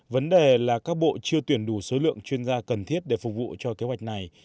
vấn đề là các bộ chưa tuyển đủ số lượng chuyên gia cần thiết để phục vụ cho kế hoạch này